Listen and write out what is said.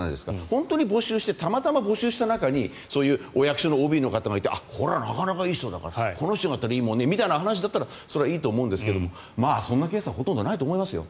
本当に募集してたまたま募集した中にそういうお役所のＯＢの方がいてこれはなかなかいい人だからこの人ならいいよねならそれはいいと思うんですがまあ、そんなケースはほとんどないと思いますよ。